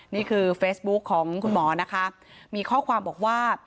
นี่คือเฟซบุ๊คของคุณหมอนะคะมีข้อความบอกว่า